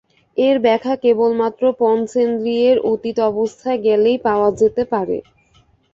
এর ব্যাখ্যা কেবলমাত্র পঞ্চেন্দ্রিয়ের অতীত অবস্থায় গেলেই পাওয়া যেতে পারে।